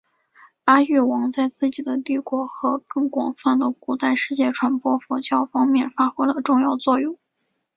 阿育王在自己的帝国和更广泛的古代世界传播佛教方面发挥了重要作用。